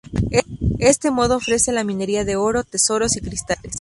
Este modo ofrece la minería de oro, tesoros y cristales.